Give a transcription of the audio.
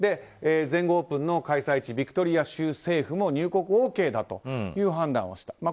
全豪オープンの開催地ビクトリア州政府も入国ＯＫという判断をしたと。